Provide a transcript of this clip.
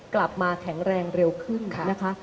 กลับมาแข็งแรงเร็วขึ้นนะคะ